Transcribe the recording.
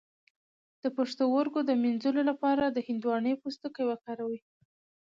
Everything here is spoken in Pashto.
د پښتورګو د مینځلو لپاره د هندواڼې پوستکی وکاروئ